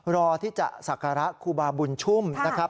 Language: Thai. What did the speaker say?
รอที่จะศักระครูบาบุญชุ่มนะครับ